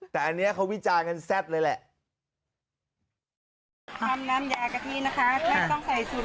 แต่อันเนี้ยเขาวิจารณ์กันแซ่บเลยแหละทำน้ำยากะทินะคะ